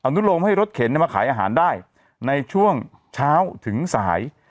นุโลมให้รถเข็นมาขายอาหารได้ในช่วงเช้าถึงสาย